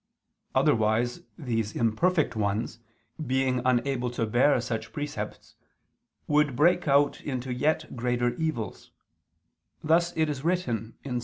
Otherwise these imperfect ones, being unable to bear such precepts, would break out into yet greater evils: thus it is written (Ps.